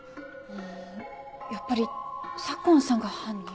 うんやっぱり左紺さんが犯人？